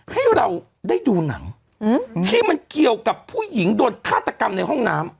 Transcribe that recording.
ให้เราได้ดูหนังที่มันเกี่ยวกับผู้หญิงโดนฆาตกรรมในห้องน้ำ